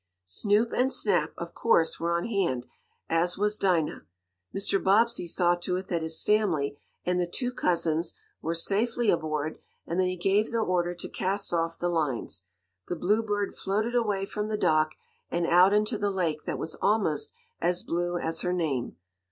Snoop and Snap, of course, were on hand, as was Dinah. Mr. Bobbsey saw to it that his family, and the two cousins, were safely aboard, and then he gave the order to cast off the lines. The Bluebird floated away from the dock, and out into the lake that was almost as blue as her name.